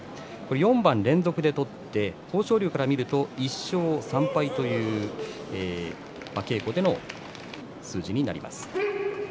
４番連続で取って、豊昇龍から見ると１勝３敗という稽古での数字になります。